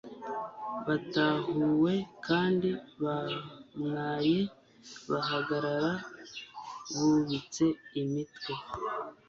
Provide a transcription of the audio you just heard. Batahuwe kandi bamwaye, bahagarara bubitse imitwe,